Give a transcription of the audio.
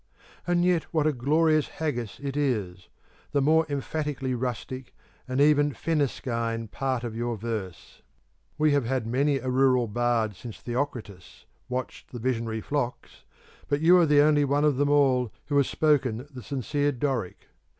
And yet what a glorious Haggis it is the more emphatically rustic and even Fescennine part of your verse! We have had many a rural bard since Theocritus 'watched the visionary flocks,' but you are the only one of them all who has spoken the sincere Doric.